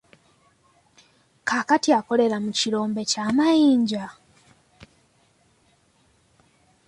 Kati akolera mu kirombe ky'amayinja.